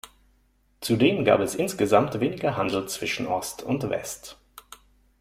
Zudem gab es insgesamt weniger Handel zwischen Ost und West.